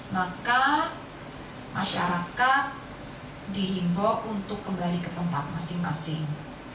maka masyarakat dihimbau untuk kembali ke tempat masing masing